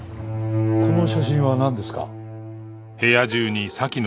この写真はなんですか？